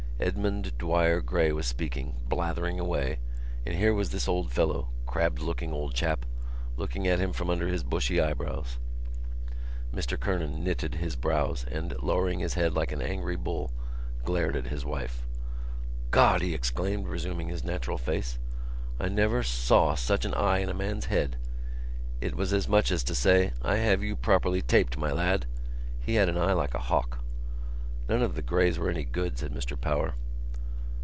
Edmund Dwyer Gray was speaking, blathering away, and here was this old fellow, crabbed looking old chap, looking at him from under his bushy eyebrows." Mr Kernan knitted his brows and, lowering his head like an angry bull, glared at his wife. "God!" he exclaimed, resuming his natural face, "I never saw such an eye in a man's head. It was as much as to say: I have you properly taped, my lad. He had an eye like a hawk." "None of the Grays was any good," said Mr Power.